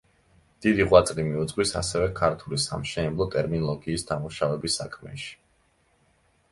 დიდი ღვაწლი მიუძღვის ასევე ქართული სამშენებლო ტერმინოლოგიის დამუშავების საქმეში.